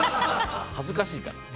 恥ずかしいから。